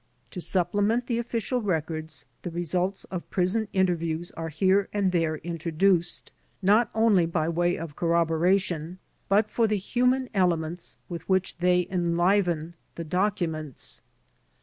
To supplement the official records, the results of prison interviews are here and there introduced, not only by way of corroboration, but for the human elements with which they enliven the documents.